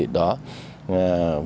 vệ sinh đồng ruộng